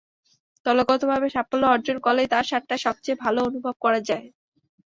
দলগতভাবে সাফল্য অর্জন করলেই তার স্বাদটা সবচেয়ে ভালো অনুভব করা যায়।